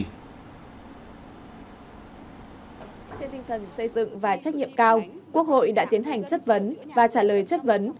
trên tinh thần xây dựng và trách nhiệm cao quốc hội đã tiến hành chất vấn và trả lời chất vấn